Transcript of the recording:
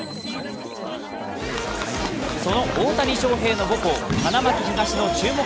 その大谷翔平の母校、花巻東高校の注目